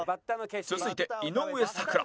続いて井上咲楽